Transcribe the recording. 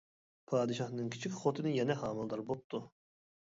پادىشاھنىڭ كىچىك خوتۇنى يەنە ھامىلىدار بوپتۇ.